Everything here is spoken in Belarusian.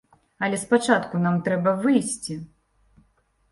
Але спачатку нам трэба выйсці!